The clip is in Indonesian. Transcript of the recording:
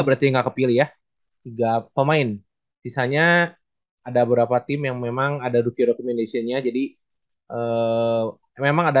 berarti gak kepilih ya tiga pemain sisanya ada beberapa tim yang memang ada rookie rookie recommendation yang terpilih di sistem game reza pilih ya